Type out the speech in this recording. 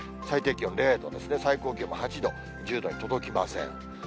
最低気温０度ですね、最高気温も８度、１０度に届きません。